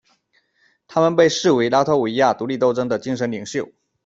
他们被视为拉脱维亚独立斗争的精神领袖。